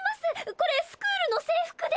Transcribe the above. これスクールの制服で。